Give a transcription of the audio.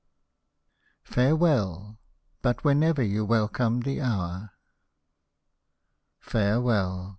FAREWELL :— BUT WHENEVER YOU WELCOME THE HOUR Farewell